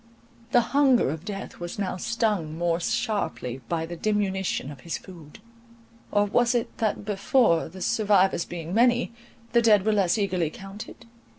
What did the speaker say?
The hunger of Death was now stung more sharply by the diminution of his food: or was it that before, the survivors being many, the dead were less eagerly counted?